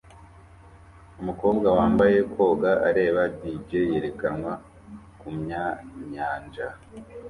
Umukobwa wambaye koga areba DJ yerekanwe kumyanyanja